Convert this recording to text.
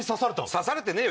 刺されてねえよ